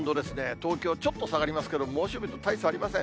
東京、ちょっと下がりますけれども、猛暑日と大差ありません。